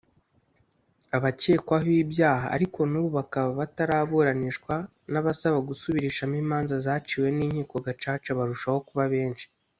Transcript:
abakekwaho ibyaha ariko n’ubu bakaba bataraburanishwa n’abasaba gusubirishamo imanza zaciwe n’Inkiko Gacaca barushaho kuba benshi